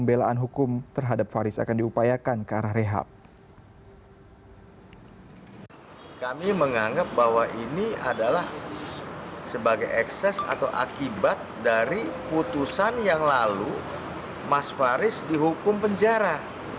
ini adalah sebagai ekses atau akibat dari putusan yang lalu mas faris dihukum penjara